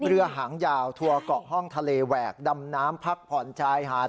เรือหางยาวทัวร์เกาะห้องทะเลแหวกดำน้ำพักผ่อนชายหาด